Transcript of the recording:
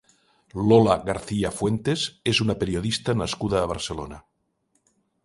Lola Garcia Fuentes és una periodista nascuda a Barcelona.